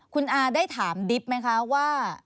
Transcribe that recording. คุณอาได้ถามดิบไหมคะว่า